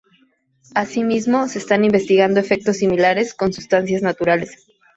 Así mismo, se están investigando efectos similares con sustancias naturales.